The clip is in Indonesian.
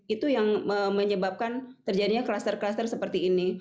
itu yang menyebabkan terjadinya kluster kluster seperti ini